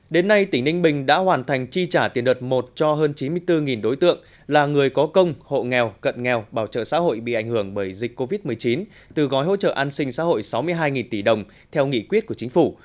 đến nay tỉnh ninh bình đã hoàn thành chi trả tiền đợt một cho hơn chín mươi bốn đối tượng là người có công hộ nghèo cận nghèo bảo trợ xã hội bị ảnh hưởng bởi dịch covid một mươi chín từ gói hỗ trợ an sinh xã hội sáu mươi hai tỷ đồng theo nghị quyết của chính phủ